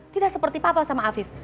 tidak seperti apa sama afif